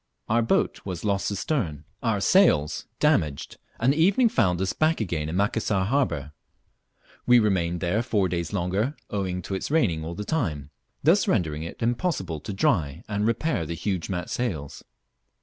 Our boat was lost astern, our sails damaged, and the evening found us hack again in Macassar harbour. We remained there four days longer, owing to its raining all the time, thus rendering it impossible to dry and repair the huge mat sails.